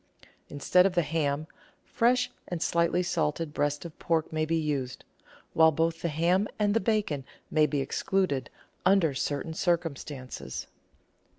Instead of the ham, fresh and slightly salted breast of pork may be used, while both the ham and the bacon may be ex cluded under certain circumstances.